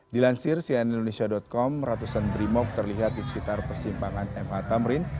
dilansir cnn indonesia com ratusan brimob terlihat di sekitar persimpangan ma tamrin